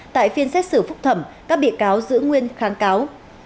tại phiên xét xử phúc thẩm các bị cáo giữ nguyên kháng cáo